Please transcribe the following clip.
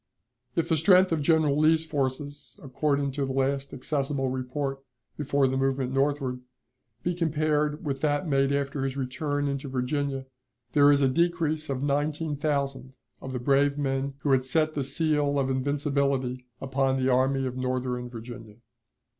If the strength of General Lee's forces, according to the last accessible report before the movement northward, be compared with that made after his return into Virginia, there is a decrease of nineteen thousand of the brave men who had set the seal of invincibility upon the Army of Northern Virginia.